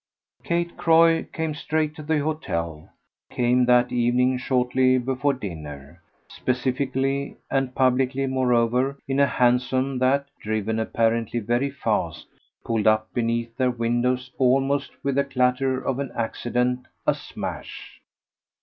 Kate Croy came straight to the hotel came that evening shortly before dinner; specifically and publicly moreover, in a hansom that, driven apparently very fast, pulled up beneath their windows almost with the clatter of an accident, a "smash."